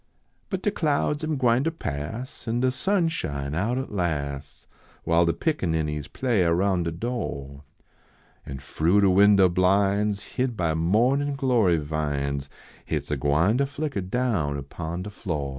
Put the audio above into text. But de clouds am gwine ter pass, An de sun shine out at las , While de picaninnies play aroun de do An froo de windah blinds, Hid by inornin glory vines, Hit s er gwine to flicker down upon de flo />/: ci.